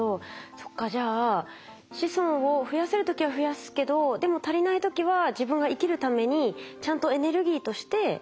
そっかじゃあ子孫を増やせる時は増やすけどでも足りない時は自分が生きるためにちゃんとエネルギーとしてオイルを作ってためるんですね。